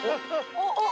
おっ！